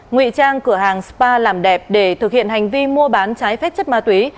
ngụy trang cửa hàng spa làm đẹp để thực hiện hành vi mua bán trái phép chất ma túy